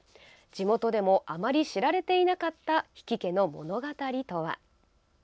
地元でもあまり知られていなかった比企家の物語とは。